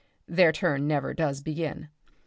Their turn never does begin. Mr.